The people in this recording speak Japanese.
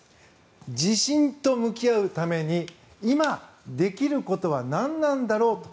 地震と向き合うために今、できることは何なんだろうと。